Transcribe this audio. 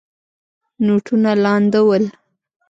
نوټونه لانده ول.